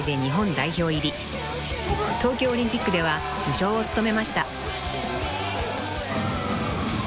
［東京オリンピックでは主将を務めました］